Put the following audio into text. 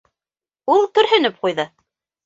- Ул көрһөнөп ҡуйҙы.